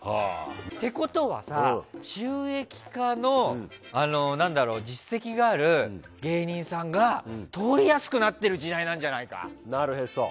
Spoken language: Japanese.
ってことはさ収益化の実績がある芸人さんが通りやすくなってる時代なんじゃないか？